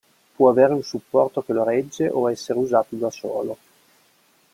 Può avere un supporto che lo regge o essere usato da solo.